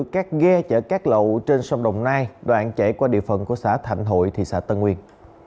các ghe chở cát lậu trên sông đồng nai đoạn chảy qua địa phận của xã thạnh hội thị xã tân nguyệt